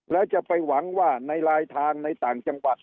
แล้วจะไปหวังว่าในลายทางในต่างจังหวัด